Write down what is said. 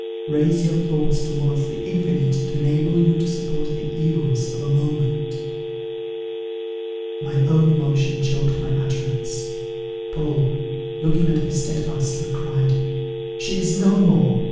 raise your thoughts towards the infinite, to enable you to support the evils of a moment.'" My own emotion choked my utterance. Paul, looking at me steadfastly, cried, "She is no more!